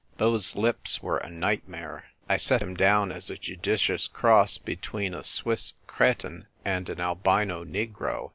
Those lips were a nightmare. I set him down as a judicious cross between a Swiss crkin and an albino negro.